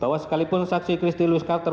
bahwa sekalipun saksi christy louis carter